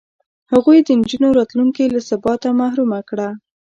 هغوی د نجونو راتلونکې له ثباته محرومه کړه.